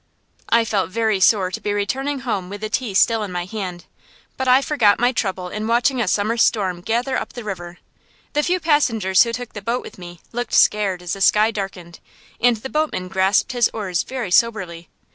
I felt very sore to be returning home with the tea still in my hand, but I forgot my trouble in watching a summer storm gather up the river. The few passengers who took the boat with me looked scared as the sky darkened, and the boatman grasped his oars very soberly.